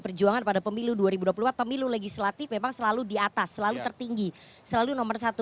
perjuangan pada pemilu dua ribu dua puluh empat pemilu legislatif memang selalu di atas selalu tertinggi selalu nomor satu